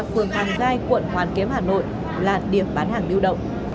phường hàng gai quận hoàn kiếm hà nội là điểm bán hàng lưu động